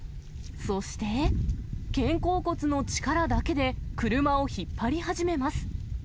そして、肩甲骨の力だけで、車を引っ張り始めます。